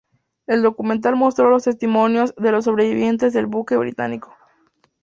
El documental mostró los testimonios de los sobrevivientes del buque británico.